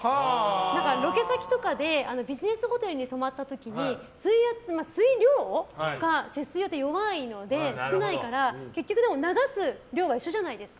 ロケ先とかでビジネスホテルに泊まった時に水量が節水だと弱いので少ないから結局流す量は一緒じゃないですか。